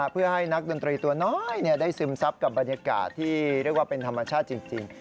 เพื่อให้นักดนตรีตัวน้อยได้ซึมซับกับบรรยากาศที่เรียกว่าเป็นธรรมชาติจริง